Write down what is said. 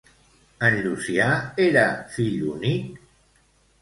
En Llucià era fill únic?